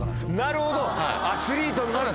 なるほどアスリートになると。